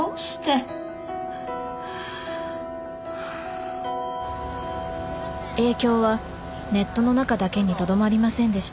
影響はネットの中だけにとどまりませんでした。